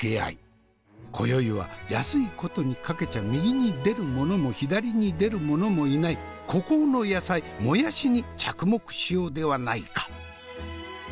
今宵は安いことにかけちゃ右に出るものも左に出るものもいない孤高の野菜もやしに着目しようではないか。